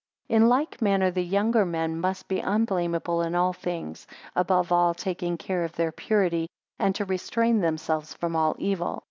12 In like manner the younger men must be unblameable in all things; above all, taking care of their purity, and to restrain themselves from all evil.